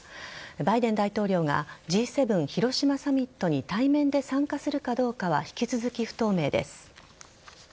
バイデン大統領がＧ７広島サミットに対面で参加するかどうかは引き続き不透明です。